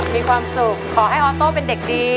มีความสุขขอให้ออโต้เป็นเด็กดี